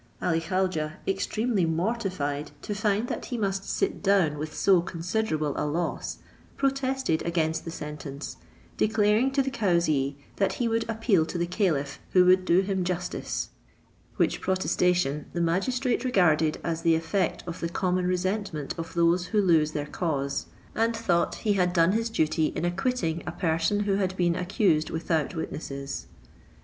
Ali Khaujeh, extremely mortified to find that he must sit down with so considerable a loss, protested against the sentence, declaring to the cauzee that he would appeal to the caliph, who would do him justice; which protestation the magistrate regarded as the effect of the common resentment of those who lose their cause; and thought he had done his duty in acquitting a person who had been accused without witnesses.